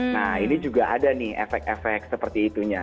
nah ini juga ada nih efek efek seperti itunya